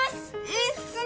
いいっすね